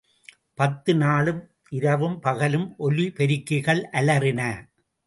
பத்து நாளும் இரவும் பகலும் ஒலிபெருக்கிகள் அலறின!